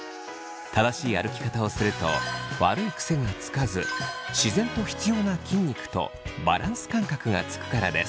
正しい歩き方をすると悪い癖がつかず自然と必要な筋肉とバランス感覚がつくからです。